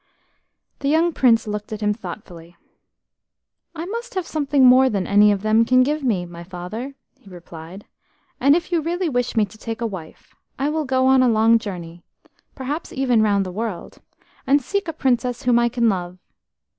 The young Prince looked at him thoughtfully. "I must have something more than any of them can give me, my father," he replied, "and if you really wish me to take a wife, I will go on a long journey, perhaps even round the world, and seek a princess whom I can love.